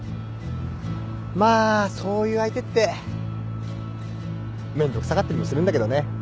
まあそういう相手ってめんどくさかったりもするんだけどね。